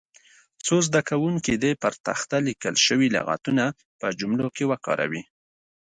څو زده کوونکي دې پر تخته لیکل شوي لغتونه په جملو کې وکاروي.